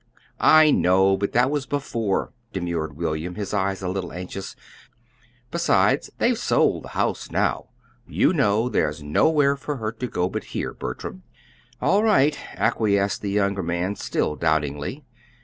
"I know, but that was before," demurred William, his eyes a little anxious. "Besides, they've sold the house now, you know. There's nowhere for her to go but here, Bertram." "All right," acquiesced the younger man, still doubtingly.